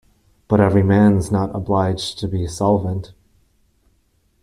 But every man's not obliged to be solvent?